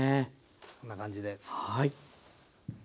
こんな感じです。